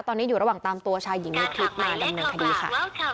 ตอนนี้อยู่ระหว่างตามตัวชายหญิงในคลิปมาดำเนินคดีค่ะ